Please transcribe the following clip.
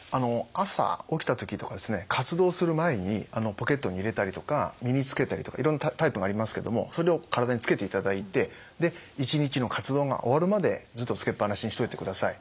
朝起きた時とか活動する前にポケットに入れたりとか身につけたりとかいろんなタイプがありますけどもそれを体につけていただいてで１日の活動が終わるまでずっとつけっ放しにしといてください。